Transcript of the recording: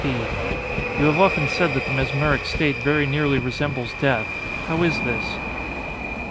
P. You have often said that the mesmeric state very nearly resembles death. How is this?